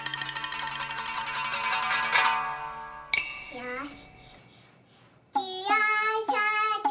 よし。